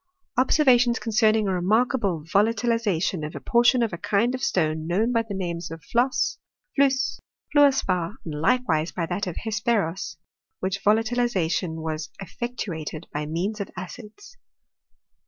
" Observations concerning a remarkable volatiliza tion of a portion of a kind of stone known by the names of flosse, fiusse, fiuor spar, and likewise by that of hesperos: which volatilization was efiectuated by means of acids."